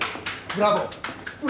ブラボー！